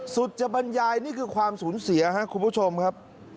สุจบรรยายนี่คือความสูญเสียครับคุณผู้ชมครับ